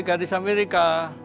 hei gadis amerika